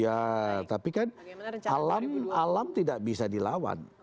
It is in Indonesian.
ya tapi kan alam tidak bisa dilawan